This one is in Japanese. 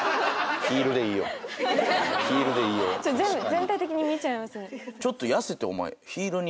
全体的に見ちゃいますね。